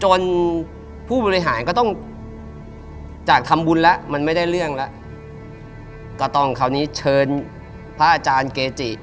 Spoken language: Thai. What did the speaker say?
ผู้บริหารก็ต้องจากทำบุญแล้วมันไม่ได้เรื่องแล้วก็ต้องคราวนี้เชิญพระอาจารย์เกจิ